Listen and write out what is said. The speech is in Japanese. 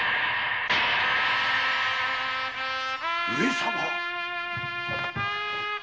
上様！？